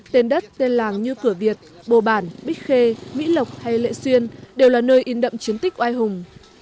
tên đất tên làng như cửa việt bồ bản bích khê mỹ lộc hay lệ xuyên đều là nơi in đậm chiến tích oai hùng